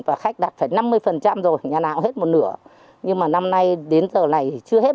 và khách đặt phải năm mươi phần trăm rồi nhà nào hết một nửa nhưng mà năm nay đến giờ này chưa hết